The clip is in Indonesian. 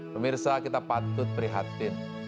pemirsa kita patut berhatin